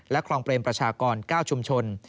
คลองเปรมประชากร๙ชุมชน